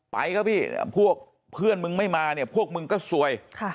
ครับพี่พวกเพื่อนมึงไม่มาเนี่ยพวกมึงก็ซวย